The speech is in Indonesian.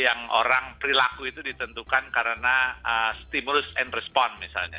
yang orang perilaku itu ditentukan karena stimulus and respon misalnya